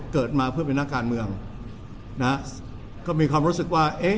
เกิดมาเพื่อเป็นนักการเมืองนะฮะก็มีความรู้สึกว่าเอ๊ะ